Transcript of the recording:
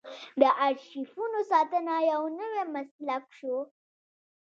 د ارشیفونو ساتنه یو نوی مسلک شو.